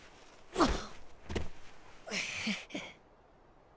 あっ。